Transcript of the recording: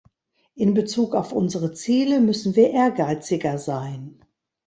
In Bezug auf unsere Ziele müssen wir ehrgeiziger sein.